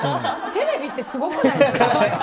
テレビってすごくないですか。